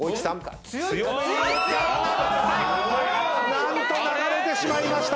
何と流れてしまいました！